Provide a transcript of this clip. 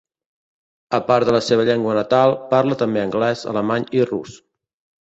A part de la seva llengua natal, parla també anglès, alemany i rus.